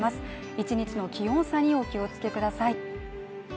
１日の気温差にお気をつけください